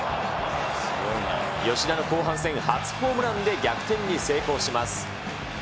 吉田の後半戦初ホームランで逆転に成功します。